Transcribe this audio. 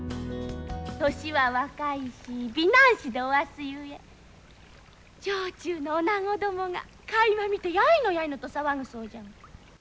年は若いし美男子でおわすゆえ城中のおなごどもが垣間見てやいのやいの騒ぐそうじゃ。